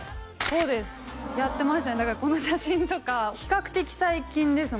そうですやってましたねだからこの写真とか比較的最近です